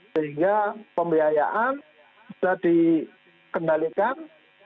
sehingga pembiayaan sudah dikendalikan